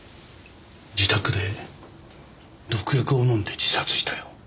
自宅で毒薬を飲んで自殺したよ。